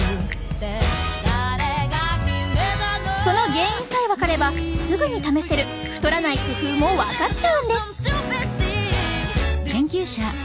その原因さえ分かればすぐに試せる太らない工夫も分かっちゃうんです。